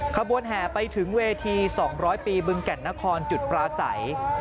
ขบวนแห่ไปถึงเวที๒๐๐ปีบึงแก่นนครจุดปลาใส